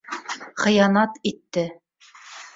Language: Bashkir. Хыянат итте!